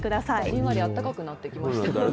じんわりあったかくなってきました。